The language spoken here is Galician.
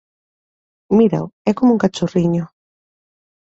Mírao, é coma un cachorriño